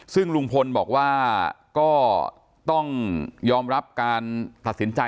ซึ่งลุงพลบอกว่าก็ต้องยอมรับการตัดสินใจ